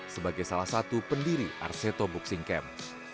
sebagai salah satu pendiri arseto boxing camp